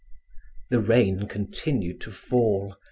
The rain continued to fall.